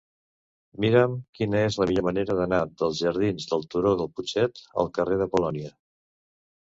Mira'm quina és la millor manera d'anar dels jardins del Turó del Putxet al carrer de Polònia.